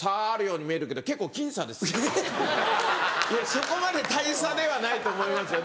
そこまで大差ではないと思いますよ。